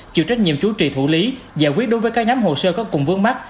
chịu trách nhiệm chú trị thủ lý giải quyết đối với các nhóm hồ sơ có cùng vương mắt